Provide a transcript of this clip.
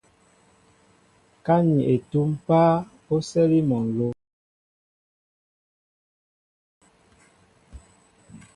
Ka ni etúm páá, o sɛli mol nló.